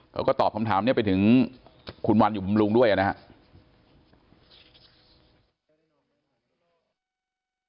เขาก็ตอบคำถามนี้ไปถึงคุณวันอยู่บำรุงด้วยนะครับ